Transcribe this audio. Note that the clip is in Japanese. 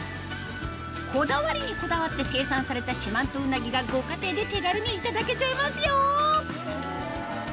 こだわりにこだわって生産された四万十うなぎがご家庭で手軽にいただけちゃいますよ